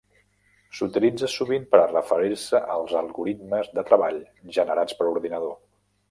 S'utilitza sovint per a referir-se als algoritmes de treball generats per ordinador.